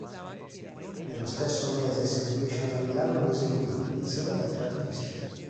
Nello stesso mese si esibisce alla Milano Music Week insieme ad altri artisti.